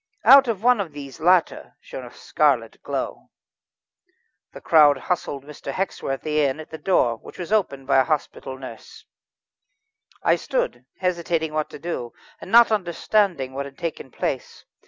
Out of one of these latter shone a scarlet glow. The crowd hustled Mr. Hexworthy in at the door, which was opened by a hospital nurse. I stood hesitating what to do, and not understanding what had taken place.